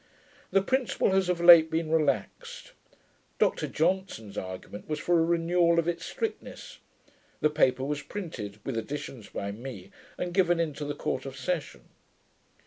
The principle has of late been relaxed. Dr Johnson's argument was, for a renewal of its strictness. The paper was printed, with additions by me, and given into the Court of Session.